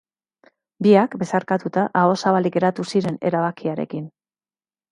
Biak, besarkatuta, aho zabalik geratu ziren erabakiarekin.